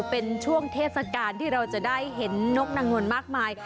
เป็นช่วงเทศกาลที่เราจะได้เห็นนกนางนวลมากมาย